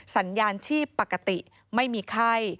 สัญญาณชีพปกติไม่มีไข้